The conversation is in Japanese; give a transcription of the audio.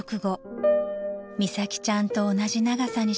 ［美咲ちゃんと同じ長さにしました］